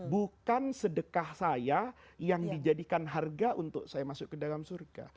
bukan sedekah saya yang dijadikan harga untuk saya masuk ke dalam surga